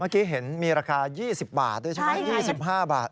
เมื่อกี้เห็นมีราคา๒๐บาทด้วยใช่ไหม๒๕บาท